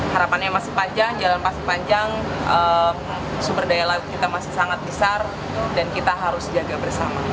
harapannya masih panjang jalan masih panjang sumber daya laut kita masih sangat besar dan kita harus jaga bersama